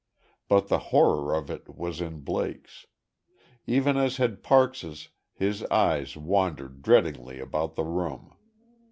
But the horror of it was in Blake's. Even as had Parks', his eyes wandered dreadingly about the room.